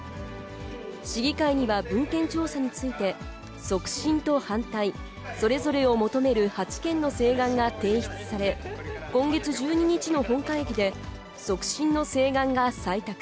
市議会には文献調査について促進と反対、それぞれを求める８件の請願が提出され、今月１２日の本会議で、促進の請願が採択。